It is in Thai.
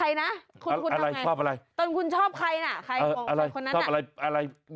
เหรอตอนคุณชอบใครน่ะ